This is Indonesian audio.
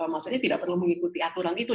maksudnya tidak perlu mengikuti aturan itu